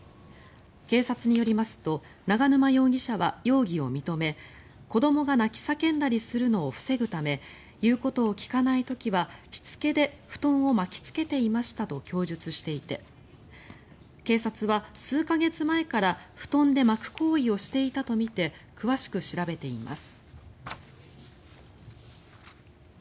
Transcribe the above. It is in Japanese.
警察によりますと永沼容疑者は容疑を認め子どもが泣き叫んだりするのを防ぐため言うことを聞かない時はしつけで布団を巻きつけていましたと供述していて警察は、数か月前から布団で巻く行為をしていたとみて詳しく調べています。